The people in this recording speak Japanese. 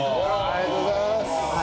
ありがとうございます！